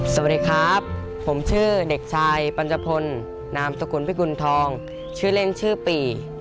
สวัสดีครับผมชื่อเด็กชายปัญจพลนามสกุลพิกุณฑองชื่อเล่นชื่อปี